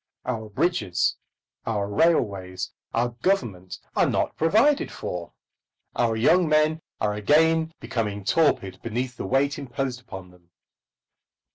Our bridges, our railways, our Government are not provided for. Our young men are again becoming torpid beneath the weight imposed upon them.